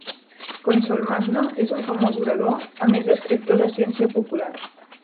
Consolmagno és un famós orador a més d'escriptor de ciència popular.